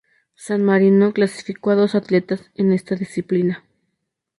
San Marino clasificó a dos atletas en esta disciplina.